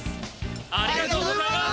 ありがとうございます！